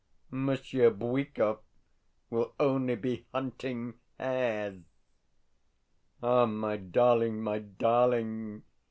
Monsieur Bwikov will only be hunting hares!... Ah, my darling, my darling!